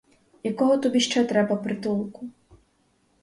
Якого тобі ще треба притулку?